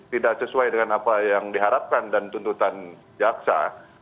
tidak sesuai dengan apa yang diharapkan dan tuntutan jaksa